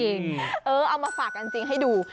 เอามาฝากกันจริงให้ดู